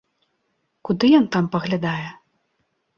Куды ён там паглядае?